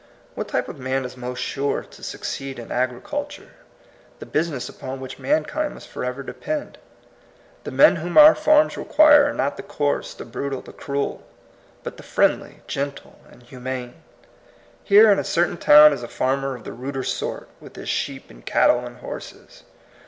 What type of man is most sure to succeed in agriculture — the business upon which mankind must forever de pend ? The men whom our farms require are not the coarse, the brutal, the cruel, but the friendly, gentle, and humane. Here in a certain town is a farmer of the ruder sort, with his sheep and cattle and horses.